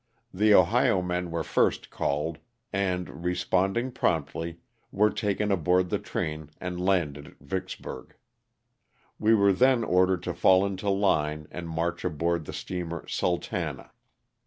The Ohio men were first called, and, responding promptly, were taken aboard the train and landed at Vicksburg. We were then ordered to fall into line and march aboard the steamer "Sultana.''